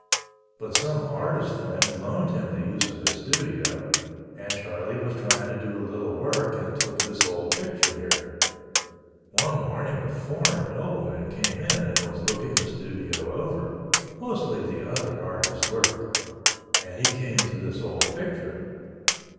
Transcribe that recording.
But some artist friend loaned him the use of his studio and Charlie was trying to do a little work and took this old picture there. One morning a foreign nobleman came in and was looking the studio over—mostly the other artist's work—and he came to this old picture.